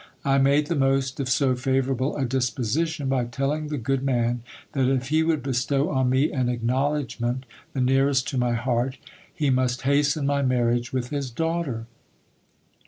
I made the most of so favourable a disposition, by telling the good man, that if he would bestow on me an acknowledgment the nearest to my heart, he must hasten my marriage with his daughter.